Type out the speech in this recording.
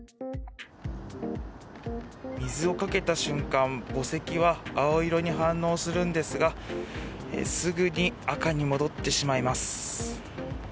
水をかけた瞬間墓石は青色に反応するんですがすぐに赤に戻ってしまいます。